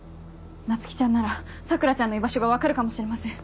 菜月ちゃんならさくらちゃんの居場所が分かるかもしれません。